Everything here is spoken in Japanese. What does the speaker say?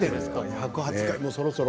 １０８回も、そろそろ。